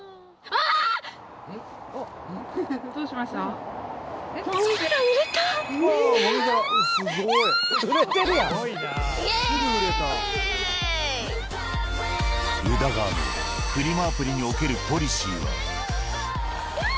アプリにおけるポリシーは。